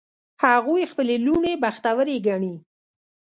هغوی خپلې لوڼې بختوری ګڼي